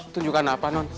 tunjukan apa non